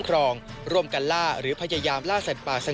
จอบประเด็นจากรายงานของคุณศักดิ์สิทธิ์บุญรัฐครับ